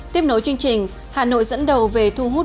tiếp nối chương trình hà nội dẫn đầu về thu hút bốn a